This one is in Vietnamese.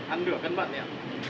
ăn nửa cân mận đấy ạ